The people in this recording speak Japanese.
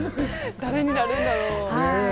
誰になるんだろう？